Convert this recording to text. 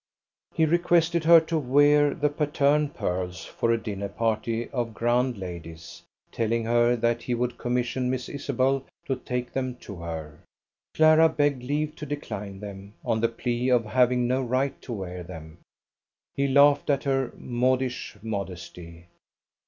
He requested her to wear the Patterne pearls for a dinner party of grand ladies, telling her that he would commission Miss Isabel to take them to her. Clara begged leave to decline them, on the plea of having no right to wear them. He laughed at her modish modesty.